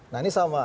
nah ini sama